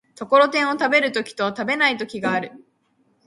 ところてんを食べる時と食べない時がある。